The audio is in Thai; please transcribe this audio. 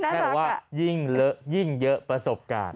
แทบว่ายิ่งเยอะประสบการณ์